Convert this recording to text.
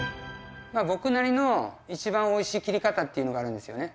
僕なりの一番美味しい切り方っていうのがあるんですよね。